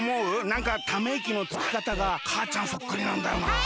なんかためいきのつきかたがかあちゃんそっくりなんだよなあ。